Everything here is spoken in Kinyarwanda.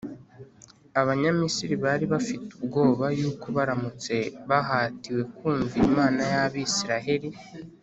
abanyamisiri bari bafite ubwoba yuko baramutse bahatiwe kumvira imana y’abisiraheli,